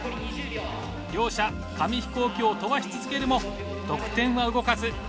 両者紙飛行機を飛ばし続けるも得点は動かず。